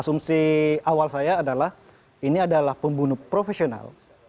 asumsi awal saya adalah ini adalah pembunuh profesional